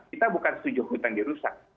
kita bukan setuju hutan dirusak